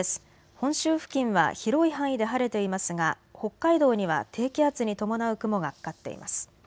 本州付近は広い範囲で晴れていますが北海道には低気圧に伴う雲がかかっています。